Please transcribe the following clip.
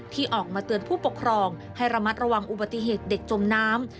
ที่ออกมาเตือนผู้ปกครองให้ระมัดระวังอุบัติเหตุเด็กจมน้ำ